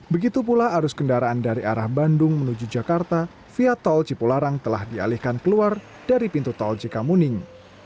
begitu pula arus kendaraan dari arah bandung menuju jakarta via tol cipularang telah dialihkan keluar dari pintu tol cikamuning